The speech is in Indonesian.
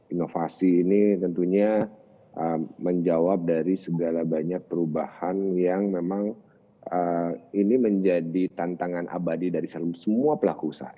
inovasi ini tentunya menjawab dari segala banyak perubahan yang memang ini menjadi tantangan abadi dari semua pelaku usaha